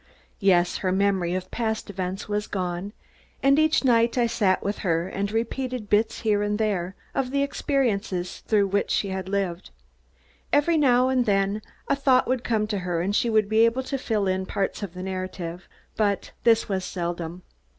Yes, her memory of past events was still gone, and each night I sat with her and repeated bits here and there of the experiences through which she had lived. Every now and then a thought would come to her and she would be able to fill in parts of the narrative, but this was seldom.